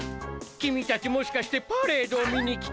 君たちもしかしてパレードを見に来た。